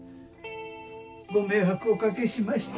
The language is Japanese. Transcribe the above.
ご迷惑お掛けしました。